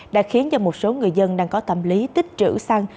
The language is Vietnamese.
đã khiến cho một số người dân đang có tâm lý tích trữ xăng